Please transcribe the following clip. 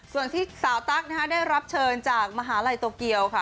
ส่วนที่สาวตั๊กนะคะได้รับเชิญจากมหาลัยโตเกียวค่ะ